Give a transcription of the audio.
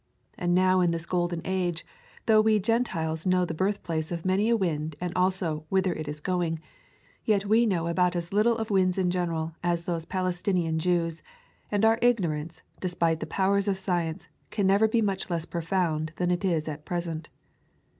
And now in this Golden Age, though we Gen tiles know the birthplace of many a wind and also "whither it is going," yet we know about as little of winds in general as those Palestinian Jews, and our ignorance, despite the powers of science, can never be much less profound than it is at present.